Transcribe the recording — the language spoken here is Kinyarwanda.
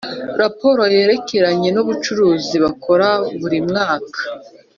raporo yerekeranye n’ubucuruzi bakora buri mwaka